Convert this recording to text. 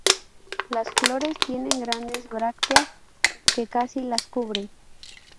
Las flores tienen grandes bráctea que casi las cubren.